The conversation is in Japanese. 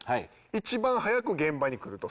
一番早く現場に来ると。